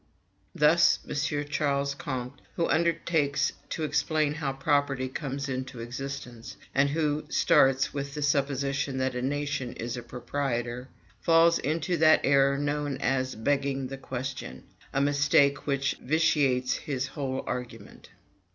Thus, M. Ch. Comte who undertakes to explain how property comes into existence, and who starts with the supposition that a nation is a proprietor falls into that error known as BEGGING THE QUESTION; a mistake which vitiates his whole argument.